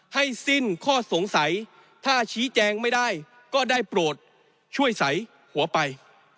ให้สิ้นข้อสงสัยถ้าชี้แจงไม่ได้ก็ได้โปรดช่วยใสหัวไป